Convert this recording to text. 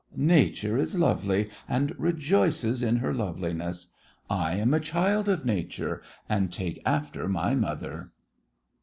Nature is lovely and rejoices in her loveliness. I am a child of Nature, and take after my mother.